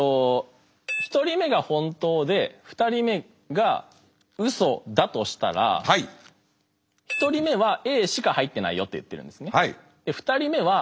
１人目が本当で２人目がウソだとしたら１人目はＡしか入ってないよと言ってるんですね。